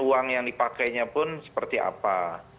uang yang dipakainya pun seperti apa